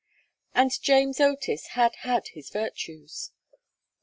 And James Otis had had his virtues.